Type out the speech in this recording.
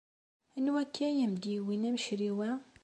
Anwa akka i am-d-yuwin amecriw-a?